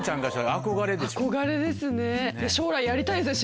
憧れですね。